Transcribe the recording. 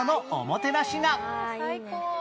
最高！